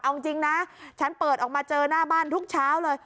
เอาจริงนะฉันเปิดออกมาเจอหน้าบ้านทุกเช้าเลย